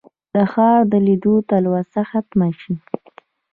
د ښار د لیدو تلوسه ختمه شي.